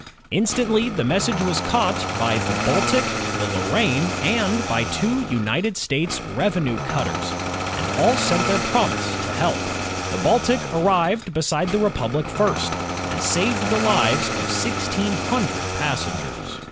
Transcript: Instantly the message was caught by the Baltic, the Lorraine, and by two United States revenue cutters, and all sent their promise to help. The Baltic arrived beside the Republic first, and saved the lives of sixteen hundred passengers.